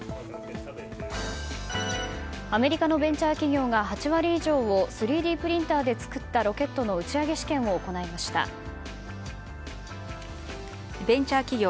アメリカのベンチャー企業が８割以上を３Ｄプリンターで作ったロケットのベンチャー企業